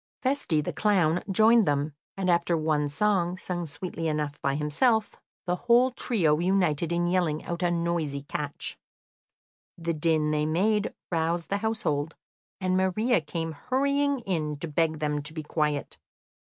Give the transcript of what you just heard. Feste, the clown, joined them, and after one song, sung sweetly enough by himself, the whole trio united in yelling out a noisy catch. The din they made roused the household, and Maria came hurrying in to beg them to be quiet.